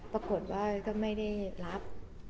ปรากฎว่าคุณไม่ได้รับ